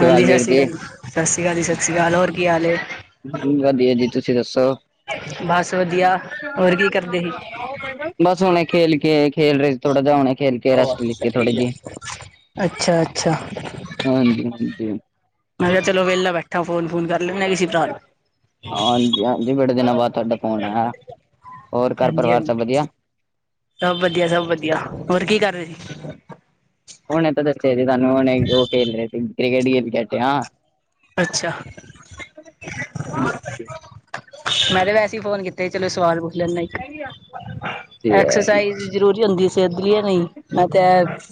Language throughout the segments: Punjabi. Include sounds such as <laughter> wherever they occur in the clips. ਹਾਂਜੀ, ਸਤਿ ਸ਼੍ਰੀ ਅਕਾਲ ਸਤਿ ਸ਼੍ਰੀ ਅਕਾਲ ਜੀ ਸਤਿ ਸ਼੍ਰੀ ਅਕਾਲ ਹੋਰ ਕੀ ਹਾਲ- ਵਧੀਆ ਜੀ ਤੁਸੀਂ ਦੱਸੋ। ਬਸ ਵਧੀਆ ਹੋਰ ਕੀ ਕਰਦੇ ਸੀ। ਬਸ ਹੁਣੇ ਖੇਲ ਕੇ ਖੇਲ ਰਹੇ ਥੋੜਾ ਜਾਹਾ ਹੁਣੇ ਖੇਲ ਕੇ ਰੈਸਟ ਲਿੱਤੀ ਥੋੜੀ ਜਿਹੀ। ਅੱਛਾ, ਅੱਛਾ। ਹਾਂਜੀ ਹਾਂਜੀ ਮੈਂ ਕਿਹਾ ਚਲੋ ਵਹਲਾ ਬੈਠਾ। ਫੋਨ ਫੋਨ ਕਰ ਲੈ ਮੈਂ ਕਿਸੇ। ਹਾਂਜੀ -ਹਾਂਜੀ ਬੜੇ ਦਿਨਾਂ ਬਾਅਦ ਤੁਹਾਡਾ ਫੋਨ ਆਇਆ। ਹੋਰ ਘਰ ਹਾਂਜੀ ਪਰਿਵਾਰ ਸਭ -ਹਾਂਜੀ ਵਧੀਆ? ਸਭ ਵਧੀਆ, ਸਭ ਵਧੀਆ ਹੋਰ ਕੀ ਕਰਦੇ ਸੀ? ਹੁਣੇ ਤਾਂ ਦੱਸਿਆ ਸੀ ਤੁਾਨੂੰ ਹੁਣੇ, ਉਹ ਖੇਲ ਰਹੇ ਸੀ ਕ੍ਰਿਕਟ ਖੇਲ ਕੇਠੇ ਹਾਂ। ਅੱਛਾ। ਮੈਂ ਤੇ ਵੈਸੇ ਹੀ ਫੋਨ ਕੀਤੇ ਚਲੋ ਸਵਾਲ ਪੁੱਛ ਲੈਂਦਾ। ਐਕਸਰਸਾਈਜ਼ ਜ਼ਰੂਰੀ ਹੁੰਦੀ। ਸਿੱਧਲੀਏ ਨਹੀਂ ਮੈਂ ਤੇ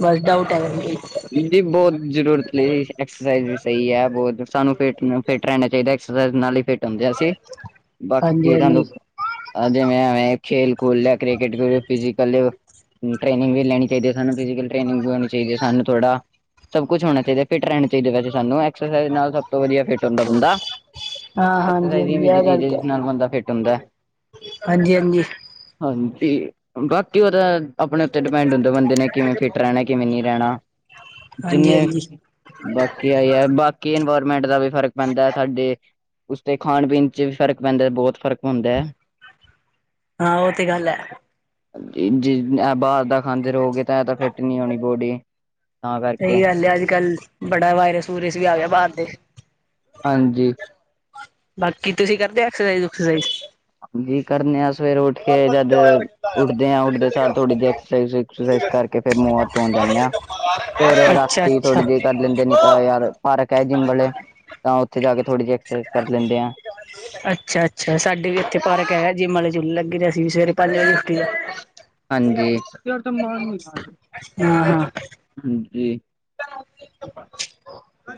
ਬਸ ਡਾਊਟ ਹੈਗਾ। ਜੀ ਬਹੁਤ ਜ਼ਰੂਰਤ ਲਈ ਜੀ ਐਕਸਰਸਾਈਜ਼ ਵੀ ਸਹੀ ਹੈ ਬਹੁਤ ਸਾਨੂੰ ਫਿਟ ਫਿੱਟ ਰਹਿਣਾ ਚਾਹੀਦਾ ਐਕਸਰਸਾਈ ਨਾਲ ਹੀ ਫਿੱਟ ਹੁੰਦੇ ਅਸੀ। ਹਾਂਜੀ ਬਾਕੀ ਹਾਂਜੀ ਤੁਹਾਨੂੰ ਅੱਜ ਮੈਂ ਖੇਲ ਕੋਲ ਲਿਆ ਕ੍ਰਿਕਟ, ਖਲ ਫਿਕਲੀ ਟ੍ਰੇਨਿੰਗ ਵੀ ਲੈਣੀ। ਚਾ ਸੂੰ ਫਲ੍ਰਨਿੰਗ ਹੋਣੀ ਚਾਹੀਦੀ ਹੈ। ਸਾਨੂੰ ਥੋੜਾ ਸਭ ਕੁਛ ਹੋਣਾ ਚਾਹੀਦਾ। ਫਟਹਿ ੲਇਸ ਜਗੵਸਾਨੂੰ ਐਕਸ ਨਾਲ ਸਭ ਤੋਂ ਵਧੀਆ ਫਿਟ ਹੁੰਦਾ ਬੰਦਾ। ਹਾਂ ਹਾਂਜੀ ਐਕਸਰਸਾਈਜ਼ ਦੀ ਹਾਂਜੀ ਅਮੀਜ਼ ਇਹ ਚੀਜ਼ ਗੱਲ ਹੈ ਤਾਂ ਜਿਸ ਨਾਲ ਬੰਦਾ ਫਿੱਟ ਹੁੰਦਾ ਹੈ। ਹਾਂਜੀ -ਹਾਂਜੀ। ਹਾਂਜੀ -ਬਾਕੀ ਉਹਦਾ ਆਪਣੇ ਉੱਤੇ ਡਿਪੈਂਡ ਹੁੰਦਾ ਬੰਦੇ ਨੇ ਕਿਵੇਂ ਫਿੱਟ ਰਹਿਣਾ ਕਿਵੇਂ ਨਹੀਂ ਰਹਿਣਾ। ਹਾਂਜੀ ਜਿੰਨੇ। ਹਾਂਜੀ ਬਾਕੀ ਆ ਯਾਰ ਬਾਕੀ ਇਨਵਾਇਰਮੈਂਟ ਦਾ ਵੀ ਫ਼ਰਕ ਪੈਂਦਾ ਸਾਡੇ। ਉਸਦੇ ਖਾਣ- ਪੀਣ ਚ' ਵੀ ਫ਼ਰਕ ਪੈਂਦਾ ਬਹੁਤ ਫ਼ਰਕ ਪੈਂਦਾ ਹੈ। ਹਾਂ, ਉਹ ਤੇ ਗੱਲ ਹੈ। ਜੇ ਬਾਹਰ ਦਾ ਖਾਂਦੇ ਰਹੋਗੇ ਤਾਂ ਇਹ ਤਾਂ ਫਿੱਟ ਨਹੀਂ ਹੋਣੀ ਬੋਡੀ। ਤਾਂ ਕਰਕੇ ਸਹੀ ਗੱਲ ਹੈ ਅੱਜ ਕੱਲ੍ਹ, ਬੜਾ ਵਾਇਰਸ- ਵੂਰਸ ਵੀ ਆ ਗਿਆ ਬਾਰ ਤੇ। ਹਾਂਜੀ। ਬਾਕੀ ਤੁਸੀਂ ਕਰਦੇ ਐਕਸਰਸਾਈਜ਼ ਕਸਰਸਾਈਜ਼। ਜੀ ਕਰਨੇ ਆ ਸਵੇਰੇ ਉੱਠ ਕੇ ਜਦ ਉੱਠਦੇ ਆਂ ਉੱਡਦੇ ਸ ਥੋੜੀ ਜਿਹੀ ਐਕਸ ਕਰਕੇ ਫਿਰ ਮੁੰਹੱ ਧੋ ਜਾਂਦੇ ਹਾਂ। ਫੇਰ ਅੱਛਾ ਰਾਤੀ ਅੱਛਾ ਥੋੜ੍ਹੀ ਜਹੀ ਕਰ ਲੈਂਦੇ ਨੀ ਤਾਂ ਯਾਰ ਪਾਰਕ ਹੈ ਜਿੰਮ ਵਾਲੇ। ਤਾਂ ਉੱਥੇ ਜਾ ਥੋੜੀ ਜਿ ਐਕਸਾਈਜ਼ ਕਰ ਲੈਂਦੇ। ਅੱਛਾ- ਅੱਛਾ ਸਾਡੇ ਵੀ ਇੱਥੇ ਫਾਰਕ ਹੈ ਜਿੰਮ ਵਾਲੇ। ਜੁੱਲ ਲੱਗੀ ਤੇਸੀਂ ਵੀ ਸਵੇਰੇ ਪੇਲਿਆ ਉੱਠ ਆ। ਹਾਂਜੀ- ਹਾਂ ਹਾਂ ਹਾਂਜੀ।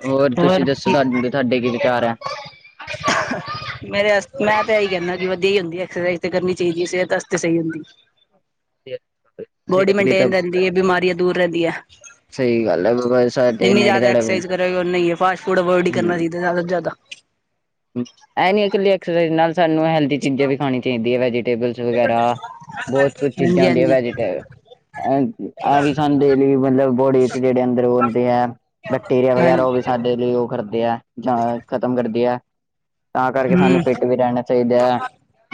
ਹੋਰ ਤੁਸੀਂ ਦੱਸੋ, ਤੁਹਾਾਨੂੰ ਤੁਹਾਡੇ ਕੀ ਵਿਚਾਰ ਹੈ? <inaudible> ਮੇਰੇ ਮੈਂ ਤਾਂ ਇਹੀ ਕਹਿੰਦਾ ਜ ਵਦੀਆ ਹੁੰਦੀ ਐਕਸਰਸਾਈਜ਼ ਤੇ ਕਰਨੀ ਚਾਹੀਦੀ ਸਿਹਤ ਵਾਸਤੇ ਸਹੀ ਹੁੰਦੀ। ਹਾਂ <inaudible> ਬੋਡੀ ਮੇਨਟੇਨ ਰਹਿੰਦੀ ਹੈ ਬਿਮਾਰੀਆਂ ਦੂਰ ਰਹਿੰਦੀ ਹੈ। ਸਹੀ ਗੱਲ ਹੈ। ਬ ਜਿੰਨੀ ਜ਼ਿਆਦਾ ਐਕਸਸਾਈਜ਼ ਕਰੇਗਾ ਹੀ ਫਾਸ ਫੂਡ ਅਵੋਇਦ ਹੀ ਕਰਨਾ ਹੂੰ। ਚਹੀਦਾ ਜ਼ਿਆਦਾ ਤੋਂ ਜ਼ਿਆਦਾ ਇਹ ਨੀ ਇਕੱਲੀ ਐਕਸਾਈਜ਼ ਨਾਲ ਸਾਨੂੰ ਹੈਲਦੀ ਚੀਜ਼ਾਂ ਵੀ ਖਾਣੀ ਚਾਹੀਦੀ ਹੈ ਵੈਜੀਟੇਬਲ ਵਗੈਰਾ ਬਹੁਤ ਕੁੱਝ ਚੀਜ਼ਾਂ ਹਾਂਜੀ ਹੁੰਦੀਆਂ ਹਾਂਜੀ ਵੈਜੀਟੇਬ ਇਹ ਵੀ ਸਾਨੂੰ ਦੇ ਲਈ ਮਤਲਬ ਬੋਡੀ ਚ ਜਿਹੜੇ ਅੰਦਰ ਆਉਦੇ ਆ ਬੈਕਟੀਰੀਆ ਹਾਂਜੀ ਵਗੈਰਾ ਉਹ ਵੀ ਸਾਡੇ ਲਈ ਉਹ ਕਰਦੇ ਹੈ ਜਾਂ ਖ਼ਤਮ ਕਰਦੇ ਹੈ। ਤਾਂ ਕਰਕੇ ਸਾਨੂੰ ਹੂੰ ਫਿੱਟ ਵੀ ਰਹਿਣਾ ਚਾਹੀਦਾ ਹੈ।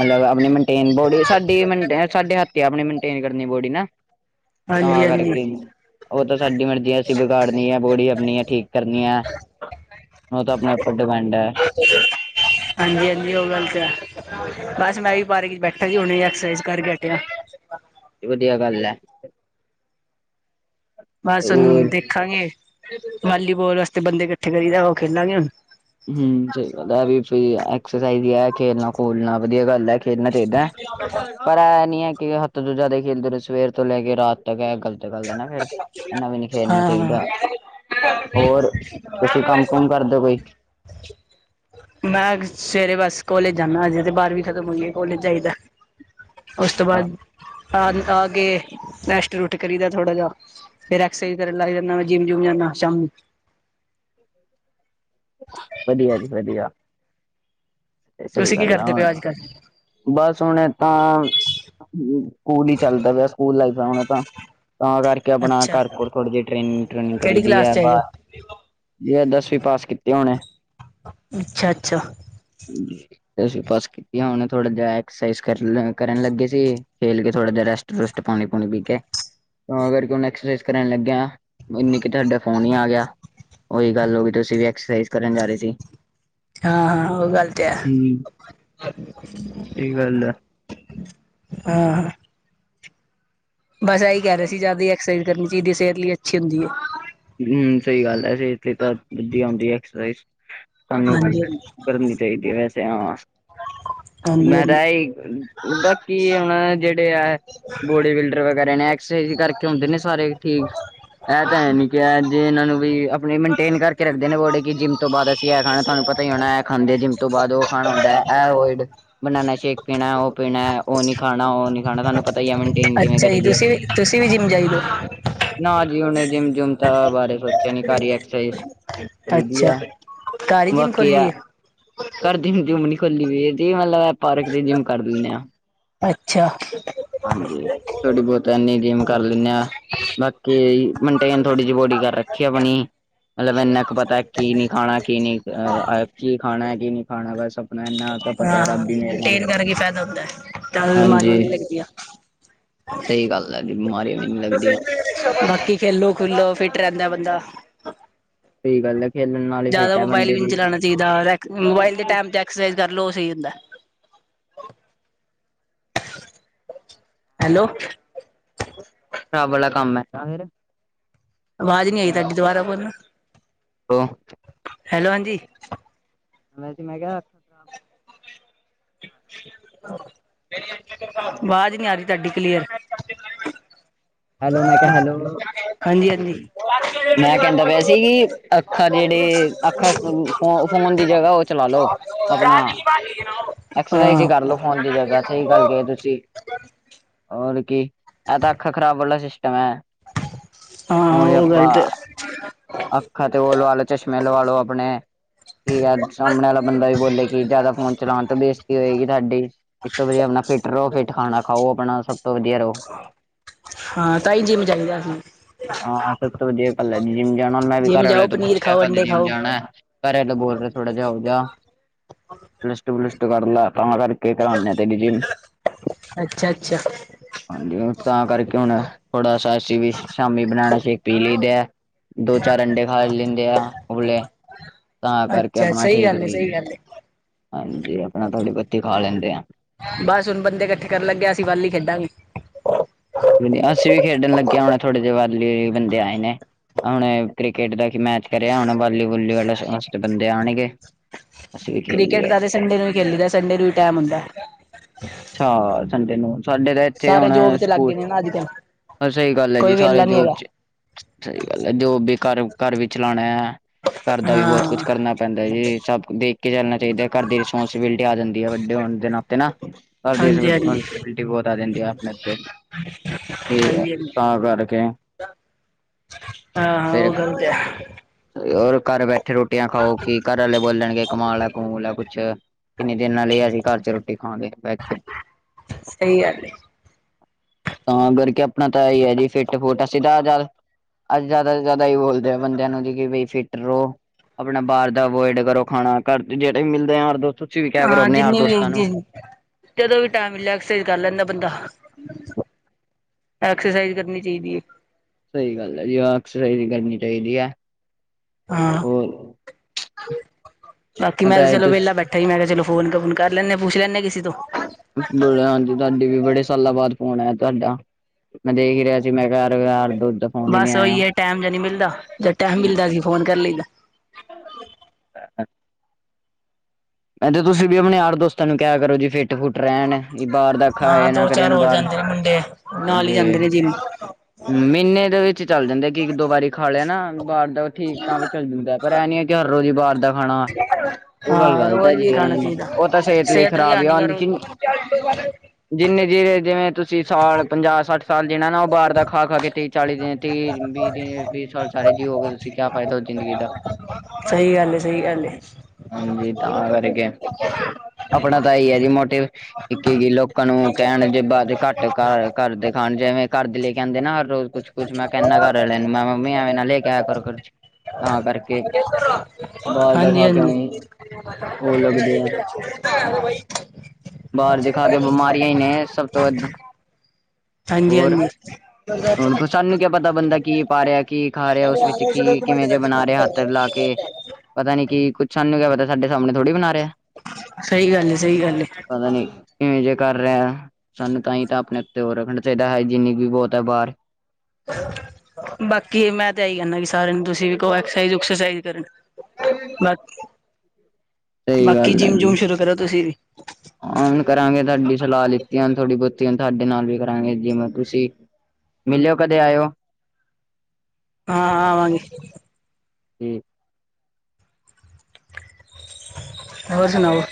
ਮਤਲਬ ਆਪਣੀ ਮੇਨਟੇਨ ਬੋਡੀ, ਸਾਡੀ ਸਾਡੇ ਹੱਥ ਆਪਣੀ ਮੇਨਟੇਨ ਕਰਨੀ ਬੋਡੀ ਨਾ। ਹਾਂਜੀ ਤਾਂ ਹਾਂਜੀ ਕਰਕੇ ਉਹ ਤਾਂ ਸਾਡੀ ਮਰਜ਼ੀ ਅਸੀਂ ਵਿਗਾੜਨੀ ਹੈ ਬੋੜੀ ਆਪਣੀ ਹੈ ਠੀਕ ਕਰਨੀ ਹੈ। ਉਹ ਤਾਂ ਆਪਣੇ ਉੱਪਰ ਡਿਪੈਂਡ ਹੈ। ਹਾਂਜੀ -ਹਾਂਜੀ ਉਹ ਗੱਲ ਤੇ ਹੈ। ਬਸ ਮੈਂ ਵੀ ਬਾਰੇ ਬੈਠਾ ਸੀ ਹੁਣ ਐਕਸਰਸਾਈ ਕਰ ਬੈਠਿਆ। ਵਧੀਆ ਗੱਲ ਹੈ। ਬਸ ਹੋਰ ਹੁਣ ਦੇਖਾਂਗੇ। ਵਾਲੀਬਾਲ ਵਾਸਤੇ ਬੰਦੇ ਇਕੱਠੇ ਕਰੀਦਾ ਉਹ ਖੇਲਾਂਗੇ ਹੁਣ। ਹੂੰ ਸਹੀ ਗੱਲ ਹੈ। ਇਹ ਵੀ ਸਹੀ ਹੈ। ਐਕਸਰਸਾਈਜ਼ ਖੇਲਣਾ- ਖੂਲਣਾ ਵਧੀਆ ਗੱਲ ਹੈ। ਖੇਲਣਾ ਚਾਹੀਦਾ ਹੈ। ਕਿਉਂ ਬੈਠਾ। ਪਰ ਇਹ ਨੀ ਹੈ। ਕਿ ਹੱਦ ਤੋਂ ਜ਼ਿਆਦਾ ਖੇਲਦੇ ਰਹੇ ਸਵੇਰ ਤੋਂ ਲੈ ਕੇ ਰਾਤ ਤੱਕ ਇਹ ਗਲਤੀ। ਗ਼ਲਤ ਗੱਲ ਹੈ ਨਾ ਫੇਰ ਇਨਾਂ ਵੀ ਨੀ ਖੇਲਣਾ ਹਾਂ ਚਾਹੀਦਾ ਹੈ। ਹੋਰ ਤੁਸੀਂ ਕੰਮ ਕੁਮ ਕਰਦੇ ਕੋਈ। ਮੈਂ ਸਵੇਰੇ ਬਸ ਕੋਲੇਜ ਜਾਂਦਾ ਹਜੇ ਤੇ ਬਾਰਵੀਂ ਖਤਮ ਹੋਏ ਕੋਲੇਜ ਜਾਈਦਾ ਹੈ। ਉਸ ਤੋਂ ਬਾਅਦ ਅੱਜ ਦਾਲ। ਆ ਕੇ ਰੈਸਟ ਰੁਸਟ ਕਰੀ ਦਾ ਥੋੜਾ ਜਾ ਫਿਰ ਐਕਸਰਸਾਈਜ਼ ਕਰਨ ਲੱਗ ਜਾਂਦਾ ਮੈਂ ਜਿੰਮ ਜੁਮ ਜਾਂਦਾ ਸ਼ਾਮ ਨੂੰ। <unintelligible> <inaudible> ਵਧੀਆ ਜੀ ਵਧੀਆ। ਸਹੀ ਤੁਸੀਂ ਕੀ ਗੱਲ ਆ ਕਰਦੇ ਪਏ ਹੋ ਹੁਣ। ਅੱਜ ਕੱਲ੍ਹ ਬਸ ਹੁਣ ਤਾਂ ਸਕੂਲ ਹੀ ਚੱਲਦਾ ਪਿਆ ਸਕੂਲ ਲਾਈਫ ਹੁਣ ਤਾਂ ਤਾਂ ਕਰਕੇ ਆਪਣਾ ਅੱਛਾ ਘਰ ਕੋਰ ਥੋੜ੍ਹੀ ਜਿਹੀ ਟ੍ਰੇਨਿੰਗ ਟ੍ਰੇਨਿੰਗ ਕਰੀ ਕਿਹੜੀ ਦੀ ਕਲਾਸ ਹੈ ਚ ਆਏ ਹੋ ਬਾਹਰ ਜ ਦਸਵੀਂ ਪਾਸ ਕੀਤੀ ਹੋਣੇ ਅੱਛਾ- ਅੱਛਾ ਕੈਸੇ ਪਾਸ ਕਿਆ। ਵਧੀਆ ਹੁਣ ਥੋੜਾ ਜਿਹਾ ਐਕਸਰਸਾਈਜ਼ ਕਰਨ ਕਰਨ ਲੱਗੇ ਸੀ ਖੇਲ ਕੇ ਥੋੜਾ ਜਿਹਾ ਰੈਸਟ ਰੁਸਟ ਪਾਣੀ ਪਾਉਣੀ ਪੀ ਕੇ। ਤਾਂ ਕਰਕੇ ਹੁਣ ਐਕਸਰਸਾਈਜ਼ ਕਰਨ ਲੱਗਿਆ। ਇਨੀ ਕਿ ਤੁਹਾਡਾ ਫੋਨ ਹੀ ਆ ਗਿਆ। ਉਹੀ ਗੱਲ ਹੋਗੀ ਹੈ। ਤੁਸੀਂ ਵੀ ਐਕਸਰਸਾਈਜ਼ ਕਰਨ ਜਾ ਰਹੇ ਸੀ। ਹਾਂ ਹਾਂ ਉਹ ਗੱਲ ਤੇ ਹੈ। ਹਮ ਸਹੀ ਗੱਲ ਹੈ ਹਾਂ ਹਾਂ। ਬਸ ਇਹੀ ਕਹਿ ਰਹੇ ਸੀ ਜ਼ਿਆਦਾ ਐਕਸਰਸਾਈਜ਼ ਕਰਨੀ ਚਾਹੀਦੀ ਹੈ। ਸਿਹਤ ਲਈ ਅੱਛੀ ਹੁੰਦੀ ਹੈ। ਹੂੰ ਸਹੀ ਗੱਲ ਹੈ। ਸਿਹਤ ਲਈ ਤਾਂ ਵਧੀਆ ਹੁੰਦੀ ਹੈ। ਐਕਸਰਸਾਈਜ਼। ਸਾਨੂੰ ਹਾਂਜੀ ਕਰਨੀ ਚਾਹੀਦੀ ਹੈ। ਵੈਸੇ ਹਾਂ। ਹਾਂਜੀ ਹਾਂਜੀ ਮੈ ਹਾਂਜੀ ਰਹੇ ਹੀ ਬਾਕੀ ਹੁਣ ਜਿਹੜੇ ਆ ਬੋਡੀ ਬਿਲਡਰ। ਕਰੇ ਨੇ ਐਕਸਰਸਾਈਜ਼ ਕਰਕੇ ਆਉਂਦੇ ਨੇ ਸਾਰੇ ਠੀਕ ਇਹ ਤਾਂ ਹੈ ਨੀ। ਜੇ ਇਹਨਾਂ ਨੂੰ ਵੀ ਆਪਣੇ ਮੇਨਟੇਨ ਕਰਕੇ ਰੱਖਦੇ ਨੇ ਬੋਡੇ ਕਿ ਜਿੰਮ ਤੋਂ ਬਾਅਦ ਅਸੀਂ ਇਹ ਖਾਣਾ ਤੁਹਾਨੂੰ ਪਤਾ ਹੀ ਹੋਣਾ ਹੈ। ਇਹ ਖਾਂਦੇ ਜਿਵੇਂ। ਉਸ ਤੋਂ ਬਾਅਦ ਉਹ ਖਾਣਾ ਹੁੰਦਾ ਹੈ। ਹੈਵੋਇਡ। ਬਨਾਨਾ ਸ਼ੇਕ ਪੀਣਾ, ਉਹ ਪੀਣਾ, ਉਹ ਨੀ ਖਾਣਾ, ਉਹ ਨੀ ਖਾਣਾ, ਤੁਹਾਨੂੰ ਪਤਾ ਹੀ ਹੈ ਮਿੰਟ। ਮੇਨਟੇਨ ਕਿਵੇਂ ਅੱਛਾ ਕਰੀ ਜੀ ਦੀ ਤੁਸੀਂ ਵੀ ਤੁਸੀਂ ਵੀ ਜਿੰਮ ਜਾਈਦਾ। ਨਾ ਜੀ ਹੁਣ ਤਾਂ ਜਿੰਮ ਜੁਮ ਤਾਂ ਬਾਰੇ ਸੋਚਿਆ ਨੀ ਘਰ ਹੀ ਐਕਸਰਸਾਈਜ਼। ਕਰਦੀ ਅੱਛਾ ਹੈ। ਘਰ ਹੀ ਜਿੰਮ ਬਾਕੀ ਖੋਲੀ ਆ। ਹੈ ਘਰ ਦੀ ਹੁੰਦੀ ਹੋਣੀ ਨੀ ਖੋਲੀ ਪਈ ਤੇ ਮਤਲਬ। ਪਾਰਕ ਤੇ ਜਿੰਮ ਕਰ ਲੈਣੇ ਹਾਂ। ਅੱਛਾ ਹਾਂਜੀ ਥੋੜੀ ਬਹੁਤੀ। ਜਾਣੇ ਹਾਂ। ਜਿੰਮ ਕਰ ਲੈਣੇ ਹਾਂ। ਬਾਕੀ ਮਨਟੇਨ ਥੋੜ੍ਹੀ ਜਿਹੀ ਬੋਡੀ ਕਰ ਰੱਖੀ ਹੈ। ਆਪਣੀ। ਮਤਲਬ ਇੰਨਾ ਕੁ ਪਤਾ ਕੀ ਨਹੀਂ ਖਾਣਾ, ਕੀ ਨਹੀਂ ਕੀ ਖਾਣਾ, ਕੀ ਨਹੀਂ ਖਾਣਾ, ਬਸ। ਆਪਣਾ ਇਨਾ ਤਾਂ ਪਤਾ ਹਾਂ ਹੈ। ਰੱਬ ਹੀ ਮੇਰੇ ਨਾਲ ਮੇਨਟੇਨ ਕਰਕੇ ਫਾਇਦਾ ਹੁੰਦਾ ਹੈ ਜ਼ਿਆਦਾ ਬਿਮਾਰੀਆਂ ਵੀ ਹਾਂਜੀ। ਲੱਗਦੀਆਂ ਸਹੀ ਗੱਲ ਹੈ। ਬਿਮਾਰੀਆਂ ਵੀ। ਨੀ ਲੱਗਦੀਆਂ ਬਾਕੀ ਖੇਲੋ ਖੁਲੋ ਫਿੱਟ ਰਹਿੰਦੈ ਬੰਦਾ। ਸਹੀ ਗੱਲ ਹੈ। ਖੇਲਣ ਨਾਲ ਹੀ ਜ਼ਿਆਦਾ ਫਿਟ ਹੈ ਮੋਬਾਇਲ ਬੰਦੇ ਵੀ ਨੀ ਦੀ ਚਲਾਣਾ ਚਾਹੀਦਾ। ਮੋਬਾਇਲ ਦੇ ਰੱਬ ਟੈਮ ਤੇ ਐਕਸਰਸਾਈਜ਼ ਕਰ ਲੋ ਉਹ ਸਹੀ ਹੁੰਦੈ। ਹੈਲੋ। <unintelligible> <inaudible> ਸ਼ਰਾਬ ਵਾਲਾ ਕੰਮ ਹੈ। ਇਹ ਤਾਂ ਫਿਰ। ਆਵਾਜ਼ ਨਹੀਂ ਆਈ ਤੁਹਾਡੀ ਦੁਬਾਰਾ ਬੋਲੋ। ਹੈਲੋ। ਹੈਲੋ ਹਾਂਜੀ। ਮੈ ਜੀ ਮੈਂ ਕਿਹਾ ਹੈ। ਆਵਾਜ਼ ਨਹੀਂ ਆ ਰਹੀ ਹੈ। ਤੁਹਾਡੀ ਕਲੀਅਰ। ਹੈਲੋ ਮੈਂ ਕਿਹਾ ਹੈਲੋ। ਹਾਂਜੀ ਹਾਂਜੀ ਮੈਂ ਕਹਿੰਦਾ ਪਿਆ ਸੀ ਕਿ ਅੱਖਾਂ ਜਿਹੜੇ। ਆਖਾ ਫੋ ਫੋਨ ਦੀ ਜਗ੍ਹਾ ਉਹ ਚਲਾ ਲੋ ਆਪਣਾ। ਐਕਸਰਸਾਈਜ਼ ਹਾਂ ਹੀ ਕਰ ਲੋ ਫੋਨ ਦੀ ਜਗ੍ਹਾ, ਸਹੀ ਗੱਲ ਕਹੀਏ ਤੁਸੀਂ। ਹੋਰ ਕੀ, ਐਹ ਤਾਂ ਅੱਖਾ ਖ਼ਰਾਬ ਵਾਲਾ ਸਿਸਟਮ ਹੈ। ਹੋ ਹਾਂ ਅ ਉਹ ਗੱਲ ਆਪਾਂ ਤੇ <unintelligible> ਅੱਖਾਂ, ਤੇ ਉਹ ਲਵਾ ਲੋ ਚਸ਼ਮੇ ਲਵਾ ਲੋ ਆਪਣੇ। ਕੀ ਗੱਲ, ਸਾਹਮਣੇ ਵਾਲਾ ਬੰਦਾ ਵੀ ਬੋਲੇ ਕਿ ਜ਼ਿਆਦਾ ਫੋਨ ਚਲਾਉਣ ਤੋਂ ਬੇਜ਼ਤੀ ਹੋਏਗੀ ਤੁਹਾਡੀ। ਇਸ ਤੋਂ ਵਧੀਆ ਆਪਣਾ ਫਿਟ ਰਹੋ। ਫਿੱਟ ਖਾਣਾ ਖਾਓ। ਆਪਣਾ ਸਭ ਤੋਂ ਵਧੀਆ ਰਹੋ। ਹਾਂ, ਤਾਂ ਹੀ ਜਿਮ ਜਾਈਦਾ ਨਾ। ਹਾਂ, ਸਭ ਤੋਂ ਵਧੀਆ ਗੱਲ ਹੈ ਜਿਮ ਜਾਣਾ। ਮੈਂ ਵੀ ਘਰ ਜਿੰਮ ਆਲਿਆ ਜਾਓ ਤੋਂ ਪਨੀਰ ਪੁੱਛਿਆ ਖਾਓ ਕੱਲ ਅੰਡੇ ਜਿਮ ਖਾਓ ਜਾਣਾ। ਪਹਿਲਾਂ ਤਾਂ ਬੋਲ ਰਹੇ, ਥੋੜਾ ਜਿਹਾ ਹੋ ਜਾ ਪਿਸਟ ਬਲਿਸਟ ਕਰ ਲੈ, ਆਪ ਕਰ <unintelligible> ਕੀ ਕਰਾ <unintelligible> ਤੇਰੀ ਜਿੰਮ। ਅੱਛਾ ਅੱਛਾ ਹਾਂਜੀ ਤਾਂ ਕਰਕੇ ਹੁਣ ਥੋੜਾ ਅਸੀਂ ਵੀ ਸ਼ਾਮੀ ਬਨਾਨਾ ਸ਼ੇਕ ਪੀ ਲਈਦਾ ਹੈ। ਦੋ - ਚਾਰ ਅੰਡੇ ਖਾ ਲੈਂਦੇ ਆ, ਉਬਲੇ ਆ ਤਾਂ ਕਰਕੇ ਅੱਛਾ ਆਪਣਾ ਸਹੀ ਠੀਕ ਗੱਲ ਏ ਬਈ। ਸਹੀ ਗੱਲ ਏ ਹਾਂਜੀ, ਆਪਣਾ ਥੋੜ੍ਹੀ ਬਹੁਤੀ ਖਾ ਲੈਂਦੇ ਹਾਂ। ਬਸ ਹੁਣ ਬੰਦੇ ਇਕੱਠੇ ਕਰਨ ਲੱਗੇ ਆ, ਅਸੀਂ ਵੱਲ ਹੀ ਖੇਡਾਂਗੇ। ਵਧੀਆ, ਅਸੀਂ ਵੀ ਖੇਡਣ ਲੱਗੇ ਆ। ਹੁਣ ਥੋੜੇ ਜਿਹੇ ਵੱਧ ਵੀ ਬੰਦੇ ਆਏ ਨੇ ਹੁਣੇ। ਕ੍ਰਿਕਟ ਦਾ ਇੱਕ ਮੈਚ ਕਰਿਆ ਹੁਣ ਵਾਲੀ ਵੁਲੀ ਵਾਲੇ ਬੰਦੇ ਆਣਗੇਂ <unintelligible> ਕ੍ਰਿਕਟ ਦਾ ਤੇ ਸੰਡੇ ਨੂੰ ਵੀ ਖੇਲੀ ਦੈ। ਸੰਡੇ ਨੂੰ ਹੀ ਟੈਮ ਹੁੰਦੈ। ਅੱਛਾ, ਸੰਡੇ ਨੂੰ ਸੰਡੇ ਦਾ ਇੱਥੇ ਹੁਣ ਸਕੂਲ। ਆ ਜਾ। ਸਹੀ ਗੱਲ ਹੈ ਜੀ, ਸਾਰੇ ਜੋਬ ਚ। ਸਹੀ ਗੱਲ ਹੈ, ਜੋਬ ਵੀ ਘਰ, ਘਰ ਵੀ ਚਲਾਂਣੈ, ਘਰ ਦਾ ਵੀ ਬਹੁਤ ਹਾਂ ਕੁਛ ਕਰਨਾ ਪੈਂਦਾ ਜੀ ਸਭ। ਦੇਖ ਕੇ ਚੱਲਣਾ ਚਾਹੀਦੈ। ਘਰ ਦੀ ਰਿਸਪੋਂਸੀਬਿਲਿਟੀ ਆ ਜਾਂਦੀ ਹੈ, ਵੱਡੇ ਹੋਣ ਦੇ ਨਾਤੇ ਨਾ। ਘਰ ਦੀ, ਹਾਂਜੀ ਹਾਂਜੀ ਰਿਸਪੋਂਸੀਬਿਲਟੀ ਬਹੁਤ ਆ ਜਾਂਦੀ ਆ ਆਪਣੇੇ ਸੇ। ਇਹ ਹਾਂਜੀ ਹਾਂਜੀ ਤਾਂ ਕਰਕੇ ਹਾਂ ਹਾਂ, ਫਿਰ ਉਹ ਗੱਲ ਤੇ ਹੈ। ਹੋਰ ਘਰ ਬੈਠੇ ਰੋਟੀਆਂ ਖਾਓ, ਕਿ ਘਰ ਵਾਲੇ ਬੋਲਣਗੇ ਕਮਾ ਲੇ ਆ, ਕਮੂਲ ਲੈ ਕੁਛ। ਕਿੰਨੇ ਦਿਨਾ ਲਈ, ਅਸੀਂ ਘਰ ਚ ਰੋਟੀ ਖਾਉਂਦੇ ਪਏ। ਸਹੀ ਗੱਲ ਏ <unintelligible> ਤਾਂ ਕਰਕੇ ਆਪਣਾ ਤਾਂ ਹੈ ਹੀ ਏ ਜੀ, ਫਿੱਟ- ਫੁਟ ਅਸੀਂ ਤਾਂ ਜਲ। ਅਸੀਂ ਜ਼ਿਆਦਾ ਤੋਂ ਜ਼ਿਆਦਾ ਇਹ ਬੋਲਦੇ ਆ ਬੰਦਿਆਂ ਨੂੰ, ਕਿ ਬਈ, ਫਿਟ ਰਹੋ। ਆਪਣਾ, ਬਾਹਰ ਦਾ ਅਵੋਇਡ ਕਰੋ ਖਾਣਾ, ਘਰ ਦੇ ਜਿਹੜੇ ਮਿਲਦੇ ਆ ਯਾਰ ਦੋਸਤ। ਤੁਸੀਂ ਵੀ ਕਿਆ ਕਰੋ ਹਾਂ, ਆਪਣੇ ਯਾਰ ਜਿੰਨੀ ਵੀ ਦੋਸਤਾਂ ਨੂੰ। ਜੀ, ਜਦੋਂ ਵੀ ਟੈਮ ਮਿਲੇ, ਐਕਸਰਸਾਈਜ਼ ਕਰ ਲੈਂਦਾ ਬੰਦਾ। ਐਕਸਰਸਾਈਜ਼ ਕਰਨੀ ਚਾਹੀਦੀ ਹੈ। ਸਹੀ ਗੱਲ ਹੈ ਜੀ, <unintelligible> ਵੀ ਕਰਨੀ ਚਾਹੀਦੀ ਹੈ। ਹਾਂ, ਹੋਰ ਬਾਕੀ ਮੈਂ ਤਾਂ ਤੇ ਚਲੋ ਵਿਹਲਾ ਬੈਠਾ ਹੀ, ਮੈਂ ਕਿਹਾ ਚਲੋ। ਫੋਨ ਕੋਨ ਕਰ ਲੈਨੇ ਆ, ਪੁੱਛ ਲੈਨੇ ਆ ਕਿਸੇ ਤੋਂ। ਹਾਂਜੀ, ਦਾਦੀ ਬੜੇ ਸਾਲਾਂ ਬਾਅਦ ਫੋਨ ਆਇਆ ਤੁਹਾਡਾ। ਮੇ ਦੇਖ ਰਿਹਾ ਸੀ <unintelligible> ਦੁੱਧ <unintelligible> ਬਸ ਉਹੀ ਏ, ਟੈਮ ਜੇ ਨਹੀਂ ਮਿਲਦਾ। ਜਦ ਟੈਮ ਮਿਲਦਾ ਸੀ ਫੋਨ ਕਰ ਲਈਦਾ। ਇਥੇ ਤੁਸੀਂ ਵੀ ਆਪਣੇ ਯਾਰ ਦੋਸਤਾਂ ਨੂੰ ਕਿਹਾ ਕਰੋ ਫਿੱਟ - ਫੁੱਟ ਰਹਿਣ ਬਾਹਰ ਦਾ ਹਾਂ ਖਾਇਆ ਨਾ ਦੋ ਚਾਰ ਕਰਨ। ਹੋਰ ਬਾਹਰ ਜਾਂਦੇ ਨੇ ਮੁੰਡੇ। ਨਾਲ ਹੀ ਜੇ ਜਾਂਦੇ ਨੇ ਜਿੰਮ ਮਹੀਨੇ ਦੇ ਵਿੱਚ ਚੱਲ ਜਾਂਦੇ ਕਿ ਇੱਕ - ਦੋ ਵਾਰੀ ਖਾ ਲਿਆ ਨਾ ਬਾਰ ਦਾ, ਠੀਕ ਤਾਂ ਵੀ ਚੱਲ ਜਾਂਦਾ। ਪਰ ਇਹਂ ਨੀ ਹੈ ਕਿ ਹਰ ਰੋਜ਼ ਹੀ ਬਾਹਰ ਦਾ ਖਾਣਾ। ਉਹ ਗੱਲ ਹਾਂ, ਗ਼ਲਤ ਹੈ ਰੋਜ਼ ਵੀ ਜੀ ਨਹੀਂ ਖਾਣਾ ਚਾਹੀਦਾ। ਉਹ ਤਾਂ ਸਿਹਤ ਲਈ ਖ਼ਰਾਬ ਆ ਹਾਨੀਕਾਰਕ ਜਿੰਨੇ ਜਿਵੇੰ ਜਿਵੇਂ ਤੁਸੀਂ ਸਾਲ ਪੰਜਾਹ -ਸੱਠ ਸਾਲ ਜੀਣਾ ਨਾ, ਉਹ ਬਾਹਰ ਦਾ ਖਾ ਖਾ ਕੇ ਤੇੀਹ ਚਾਲੀ ਦਿਨ ਤੀਹ ਵੀਹ ਦਿਨ ਵੀਹ ਸਾਲ ਸਾਰੇ ਜੀ ਹੋ ਗਏ ਤੁਸੀਂ ਕਿਆ ਫਾਇਦਾ ਹੋ ਜ਼ਿੰਦਗੀ ਦਾ ਸਹੀ ਗੱਲ ਹੈ ਸਹੀ ਗੱਲ ਏ ਹਾਂਜੀ ਤਾਂ ਕਰਕੇ ਆਪਣਾ ਤਾਂਈ ਹੈ ਜੀ ਮੋਟਿਵ ਇੱਕ ਕੀ ਲੋਕਾਂ ਨੂੰ ਕਹਿਣ ਜੇ ਬਾ ਘੱਟ ਕਰ ਘਰ ਖਾਣ ਜਿਵੇਂ ਘਰਦੇ ਲ ਕਹਿੰਦੇ ਨਾ ਹਰ ਰੋਜ਼ ਕੁਛ ਕੁਛ ਮੈਂ ਕਹਨਾ ਘਰ ਆਲਿਆਂ ਨੂੰ ਮੈਂ ਮੰਮੀ ਐਵੇਂ ਨਾਲ ਲੈ ਕੇ ਆ ਕਰ ਘਰ ਚ ਤਾਂ ਕਰਕੇ ਬਾਹਰ ਦਾ ਹਾਂਜੀ ਖਾ ਕੇਂ ਹਾਂਜੀ। ਉਹ ਲੱਗਦੇ ਆ <unintelligible> ਬਾਹਰ ਦਿਖਾ ਕੇ ਬਿਮਾਰੀਆਂ ਹੀ ਨੇ ਸਭ ਤੋਂ ਵੱਧ ਹਾਂਜੀ ਹੋਰ ਹਾਂਜੀ ਹੁਣ ਸਾਨੂੰ ਕਿਆ ਪਤਾ ਬੰਦਾ ਕੀ ਪਾ ਰਿਹਾ ਕੀ ਖਾ ਰਿਹਾ ਉਸ ਵਿੱਚ ਕੀ ਕਿਵੇਂ ਜੇ ਬਣਾ ਰਿਹਾ ਹੱਥ ਲਾ ਕੇ ਪਤਾ ਨੀ ਕੀ ਕੁੱਛ ਸਾਨੂੰ ਕ ਪਤਾ ਸਾਡੇਾ ਸਾਹਮਣੇ ਥੋੜੀ ਬਣਾ ਰਿਹਾ ਸਹੀ ਗੱਲ ਹੈ ਸਹੀ ਗੱਲ ਪਤਾ ਨੀ ਕਿਵੇਂ ਜੇ ਕਰ ਰਿਹਾ ਸਾਨੂੰ ਤਾਂ ਹੀ ਤਾਂ ਆਪਣੇ ਉੱਤੇ ਹੋਰ ਰੱਖਣਾ ਚਾਹੀਦਾ ਹਾਈਜੀਨਿਕ ਵੀ ਬਹੁਤ ਹੈ ਬਾਹਰ ਬਾਕੀ ਮੈਂ ਤੇ ਇਹੀ ਕਹਨਾ ਕਿ ਸਾਰਿਆਂ ਨੂੰ ਤੁਸੀਂ ਵੀ ਕਹੋ, ਐਕਸਕਸਰਸਾਈਜ਼ - ਉਕਸਰਸਾਈਜ਼ ਕਰਨ। ਸਹੀ ਬਾਕੀ ਗੱਲ ਹੈ ਜਿੰਮ - ਜੀ ਜੁਮ ਸ਼ੁਰੂ ਕਰੋ, ਤੁਸੀਂ ਵੀ। ਹਾਂ, ਹੁਣ ਕਰਾਂਗੇ। ਤੁਹਾਡੀ ਸਲਾਹ ਲਿੱਤੀਆਂ ਥੋੜ੍ਹੀ - ਬਹੁਤੀ। ਤੁਹਾਡੇ ਨਾਲ ਵੀ ਕਰਾਂਗੇ, ਜਿਵੇਂ ਤੁਸੀਂ ਮਿਲਿਓ ਕਦੇ, ਆਇਓ। ਹਾਂ, ਆਵਾਂਗੀ। ਹੁੰ। ਹੋਰ ਸੁਣਾਓ,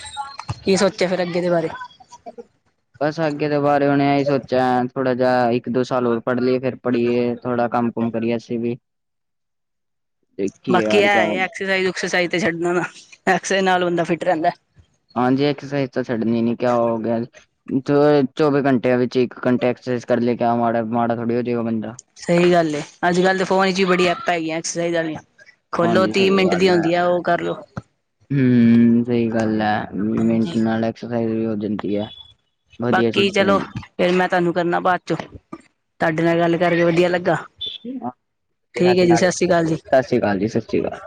ਕੀ ਸੋਚਿਆ ਫਿਰ ਅੱਗੇ ਦੇ ਬਾਰੇ? <inaudible> ਬਸ ਅੱਗੇ ਦੇ ਬਾਰੇ ਹੁਣ ਇਹੀ ਸੋਚਿਆ ਥੋੜ੍ਹਾ ਜਿਹਾ ਇੱਕ ਦੋ ਸਾਲ ਹੋਰ ਪੜ੍ਹ ਲਈਏ ਫਿਰ ਪੜ੍ਹੀਏ ਥੋੜ੍ਹਾ ਕੰਮ <unintelligible> ਬਾਕੀ ਕਿਆ ਏ ਐਕਸਰਸਾਈਜ਼ ਉਕ੍ਸਰਸਿਜ਼ ਤੇ ਛੱਡਨਾ ਨਾ ਏਕ੍ਸਰਸਿਜ਼ ਨਾਲ ਬੰਦਾ ਫਿਟ ਰਹਿੰਦਾ ਹਾਂਜੀ ਐਕਸਰਸਾਈਜ਼ ਤਾਂ ਛੱਡਣੀ ਨੀ ਕਿਆ ਹੋ ਗਿਆ ਚੌਵੀ ਘੰਟੇ ਵਿੱਚ ਇੱਕ ਘੰਟੇ ਐਕਸਰਸਾਈਜ਼ ਕਰ ਲਿਆ ਮਾੜਾ ਮਾੜਾ ਥੋੜੀ ਹੋ ਜਾਗਾ ਬੰਦਾ ਸਹੀ ਗੱਲ ਏ ਅੱਜ ਕੱਲ ਤਾਂ ਫੋਨ ਚ ਵੀ ਬੜੀ ਐਪਾਂ ਹੈਗੀਆਂ ਐਕਸਰਸਿਜ਼ ਵਾਲੀਆਂ ਖੋਲ੍ਹੋ ਤੀਹ ਮਿੰਟ ਦੀ ਆਉਂਦੀ ਆ ਉਹ ਕਰ ਲਓ ਹੂੰ ਹੂੰ ਸਹੀ ਗੱਲ ਏ ਮਟ ਹਾਂਜੀ। ਨਾਲ ਐਕਸਰਸਾਈਜ਼ ਵੀ ਹੋ ਜਾਂਦੀ ਏ ਬਾਕੀ ਚਲੋ ਫਿਰ ਮੈਂ ਤੁਹਾਨੂੰ ਕਰਨਾ ਬਾਅਦ ਚੋਂ ਤੁਹਾਡੇ ਨਾਲ ਗੱਲ ਕਰਕੇ ਵਧੀਆ ਲੱਗਾ ਠੀਕ ਸਾਡੇ ਹੈ ਜੀ ਨਾਲ ਸ਼੍ਰੀ ਅਕਾਲ ਜੀ। ਸਤਿ ਸ਼੍ਰੀ ਅਕਾਲ ਜੀ ਸਤਿ ਸ਼੍ਰੀ ਅਕਾਲ